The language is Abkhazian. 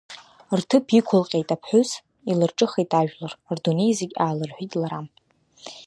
Рҭыԥ иқәылҟьеит аԥҳәыс, илырҿыхеит ажәлар, Рдунеи зегь аалырҳәит лара…